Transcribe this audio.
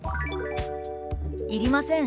「いりません。